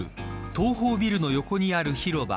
東宝ビルの横にある広場